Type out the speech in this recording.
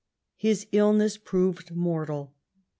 His illness proved mortal.